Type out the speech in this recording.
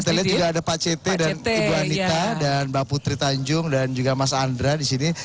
kita lihat juga ada pak cete dan ibu anita dan mbak putri tanjung dan juga mas andra di sini